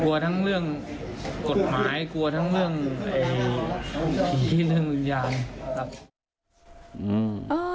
กลัวทั้งเรื่องกฎหมายกลัวทั้งเรื่องที่เรื่องวิญญาณครับ